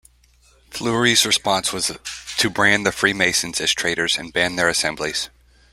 Fleury's response was to brand the Freemasons as traitors, and ban their assemblies.